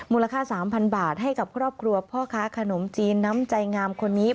มูลค่า๓๐๐บาทให้กับครอบครัวพ่อค้าขนมจีนน้ำใจงามคนนี้